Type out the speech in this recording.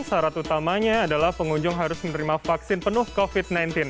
syarat utamanya adalah pengunjung harus menerima vaksin penuh covid sembilan belas